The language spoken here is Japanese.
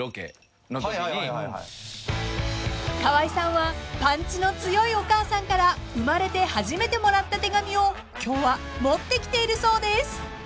［河井さんはパンチの強いお母さんから生まれて初めてもらった手紙を今日は持ってきているそうです］